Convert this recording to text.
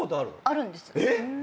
あるんです。